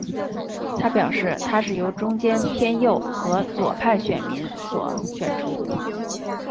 他表示他是由中间偏右和左派选民所选出。